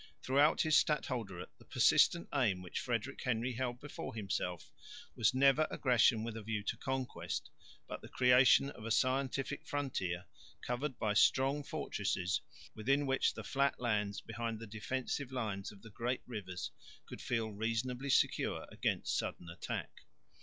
Throughout his stadholderate the persistent aim which Frederick Henry held before himself was never aggression with a view to conquest, but the creation of a scientific frontier, covered by strong fortresses, within which the flat lands behind the defensive lines of the great rivers could feel reasonably secure against sudden attack.